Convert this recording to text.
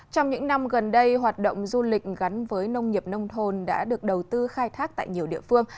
trong những năm gần đây hoạt động du lịch gắn với nông nghiệp nông thôn đã được đầu tư khai thác tại nhiều địa phương